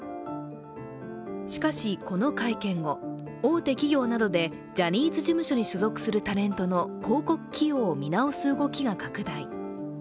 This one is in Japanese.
しかし、この会見後、大手企業などでジャニーズ事務所に所属するタレントの広告起用を見直す動きが拡大。